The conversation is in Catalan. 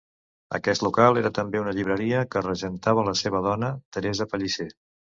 Aquest local era també una llibreria, que regentava la seva dona, Teresa Pellicer.